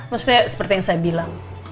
maksudnya seperti yang saya bilang